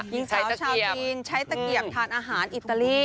หญิงสาวชาวจีนใช้ตะเกียบทานอาหารอิตาลี